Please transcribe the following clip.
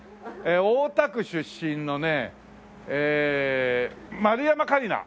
大田区出身のねえー丸山桂里奈。